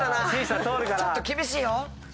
ちょっと厳しいよ。